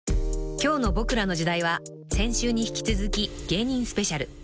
［今日の『ボクらの時代』は先週に引き続き芸人スペシャル］